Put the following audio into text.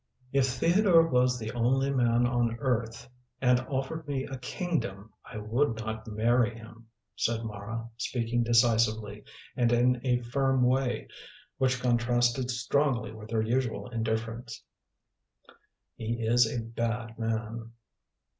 "If Theodore was the only man on earth and offered me a kingdom, I would not marry him," said Mara, speaking decisively and in a firm way, which contrasted strongly with her usual indifference, "He is a bad man."